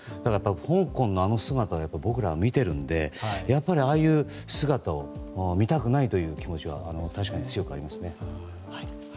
香港のあの姿を僕らは見ているのでやっぱり、ああいう姿を見たくないという気持ちは確かに強くありますね。